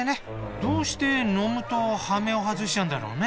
どうして飲むとハメを外しちゃうんだろうね？